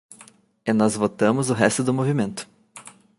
E nós votamos o resto do movimento.